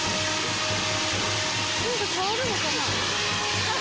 何か変わるのかな？